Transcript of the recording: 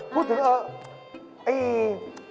พูดถึง